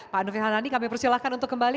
pak anufi hanani kami persilahkan untuk kembali